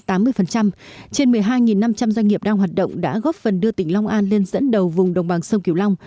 trên một mươi hai năm trăm linh doanh nghiệp đang hoạt động đã góp phần đưa tỉnh long an lên dẫn đầu vùng đồng bằng sông kiều long